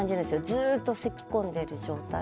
ずーっとせき込んでいる状態。